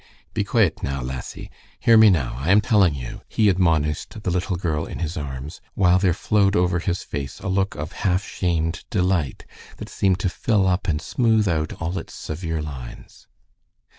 "Be quaet now, lassie. Hear me now, I am telling you," he admonished the little girl in his arms, while there flowed over his face a look of half shamed delight that seemed to fill up and smooth out all its severe lines.